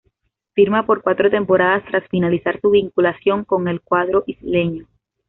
Firma por cuatro temporadas tras finalizar su vinculación con el cuadro isleño.